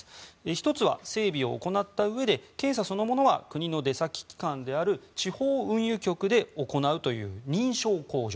１つは、整備を行ったうえで検査そのものは国の出先機関である地方運輸局で行うという認証工場。